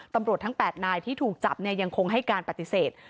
ตำรวจทั้ง๘นายที่ถูกจับยังคงให้การปฏิเสธ